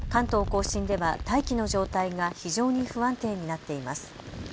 甲信では大気の状態が非常に不安定になっています。